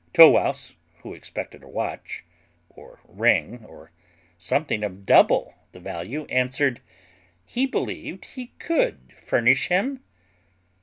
Tow wouse, who expected a watch, or ring, or something of double the value, answered, "He believed he could furnish him."